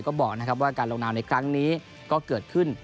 ก็บอกนะครับว่าการลงนามในครั้งนี้ก็เกิดขึ้น